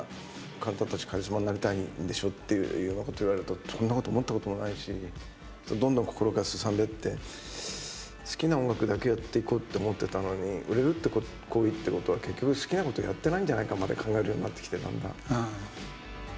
あんたたちカリスマになりたいんでしょっていうようなこと言われるとそんなこと思ったこともないしどんどん心がすさんでって好きな音楽だけやっていこうって思ってたのに売れるってことは結局好きなことやってないんじゃないかまで考えるようになってきてだんだん。